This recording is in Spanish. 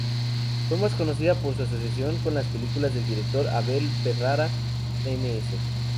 Fue más conocida por su asociación con las películas del director Abel Ferrara: "Ms.